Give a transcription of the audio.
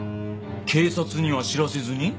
警察には知らせずに？